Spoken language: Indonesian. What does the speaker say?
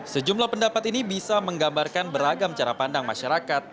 sejumlah pendapat ini bisa menggambarkan beragam cara pandang masyarakat